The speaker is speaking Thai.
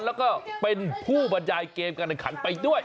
แล้วก็เป็นผู้บรรยายเกมการแข่งขันไปด้วย